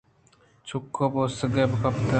چک ءُبوسگے گپت